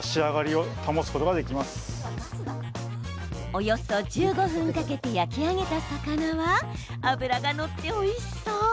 およそ１５分かけて焼き上げた魚は脂が乗っておいしそう。